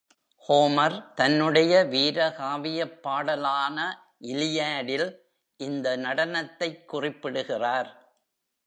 Homer தன்னுடைய வீரகாவியப் பாடலான "இலியாடில்" இந்த நடனத்தைக் குறிப்பிடுகிறார்.